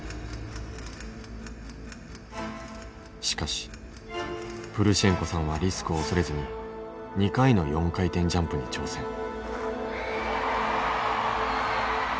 しかしプルシェンコさんはリスクを恐れずに２回の４回転ジャンプに挑戦。